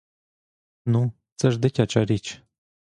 Ну, це ж дитяча річ!